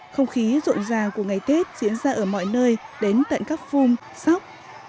không khí rộn ràng của ngày tết diễn ra ở mọi nơi đến tận các phung sóc